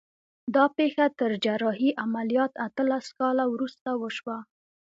دا پېښه تر جراحي عملیات اتلس کاله وروسته وشوه